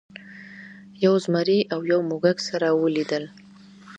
یو زمري او یو موږک سره ولیدل.